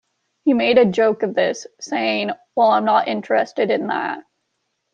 He made a joke of this, saying, Well I'm not interested in that.